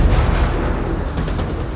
aku akan menang